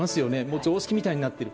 常識みたいになってる。